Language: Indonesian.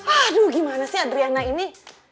aduh gimana sih adriana ini